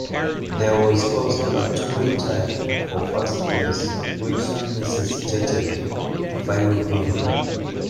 There was also a two-way tie for first place, which necessitated a final game.